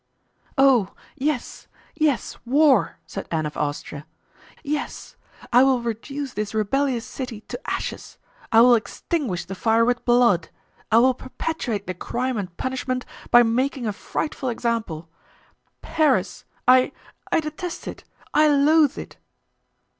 "Oh! yes, yes, war," said Anne of Austria. "Yes, I will reduce this rebellious city to ashes. I will extinguish the fire with blood! I will perpetuate the crime and punishment by making a frightful example. Paris!; I—I detest, I loathe it!"